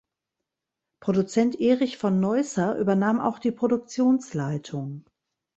Produzent Erich von Neusser übernahm auch die Produktionsleitung.